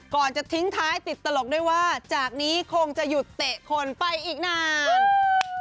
ก่อนจะทิ้งท้ายติดตลกด้วยว่าจากนี้คงจะหยุดเตะคนไปอีกนาน